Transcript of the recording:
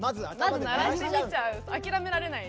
諦められない。